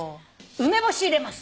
梅干し入れます。